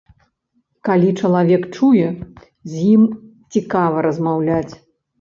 Калі чалавек чуе, з ім цікава размаўляць.